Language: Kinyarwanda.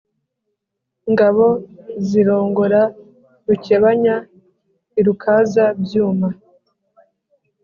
ngabo zirongora rukebanya i rukaza-byuma,